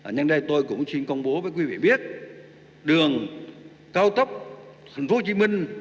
nhân đây tôi cũng xin công bố với quý vị biết đường cao tốc thành phố hồ chí minh